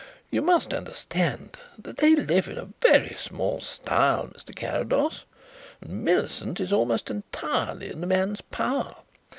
"You must understand that they live in a very small style, Mr. Carrados, and Millicent is almost entirely in the man's power.